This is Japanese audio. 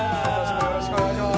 よろしくお願いします。